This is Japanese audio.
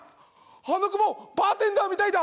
あの雲バーテンダーみたいだ。